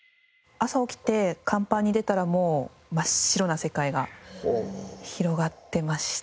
朝起きて甲板に出たらもう真っ白な世界が広がってましたねはい。